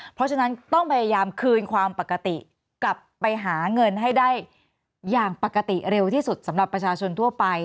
เพราะฉะนั้นต้องพยายามคืนความปกติกลับไปหาเงินให้ได้อย่างปกติเร็วที่สุดสำหรับประชาชนทั่วไป